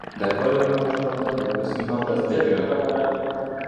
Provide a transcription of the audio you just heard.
Derbarê Omer Ocalan de lêpirsîn hat destpêkirin.